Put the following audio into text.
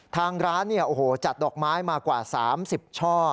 ทางร้านจัดดอกไม้มากว่า๓๐ช่อ